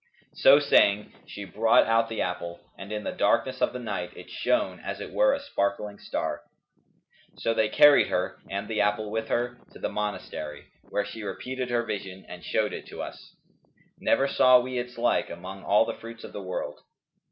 So saying she brought out the apple, and in the darkness of the night it shone as it were a sparkling star. So they carried her (and the apple with her) to the monastery, where she repeated her vision and showed it to us; never saw we its like among all the fruits of the world.